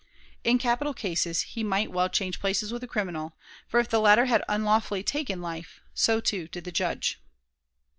In capital cases he might well change places with the criminal, for, if the latter had unlawfully taken life, so too did the Judge.